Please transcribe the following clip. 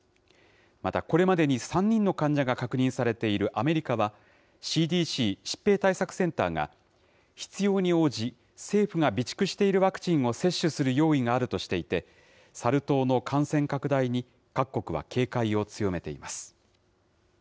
またこれまでに３人の患者が確認されているアメリカは、ＣＤＣ・疾病対策センターが必要に応じ、政府が備蓄しているワクチンを接種する用意があるとしていて、サル痘の感染拡大に各国は警戒を強めています。